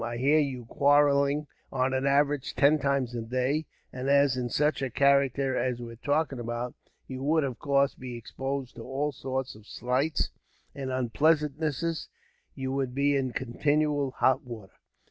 I hear you quarrelling, on an average, ten times a day; and as, in such a character as we're talking about, you would, of course, be exposed to all sorts of slights and unpleasantnesses, you would be in continual hot water."